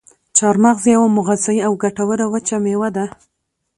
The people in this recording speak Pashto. چارمغز یوه مغذي او ګټوره وچه میوه ده.